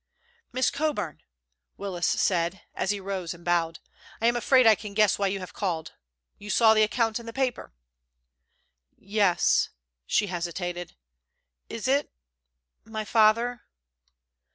"Miss Coburn?" Willis said, as he rose and bowed. "I am afraid I can guess why you have called. You saw the account in the paper?" "Yes." She hesitated. "Is it—my father?"